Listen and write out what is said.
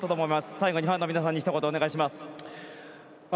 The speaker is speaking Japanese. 最後にファンの皆さんにひと言お願いします。